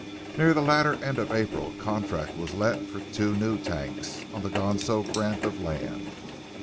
Near the latter end of April, a contract was let for two new tanks on the Ganso grant of land.